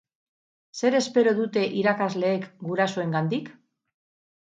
Zer espero dute irakasleek gurasoengandik?